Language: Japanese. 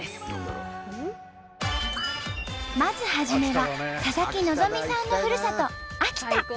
まず初めは佐々木希さんのふるさと秋田。